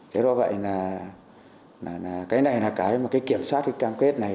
thế do vậy là cái này là cái mà cái kiểm soát cái cam kết này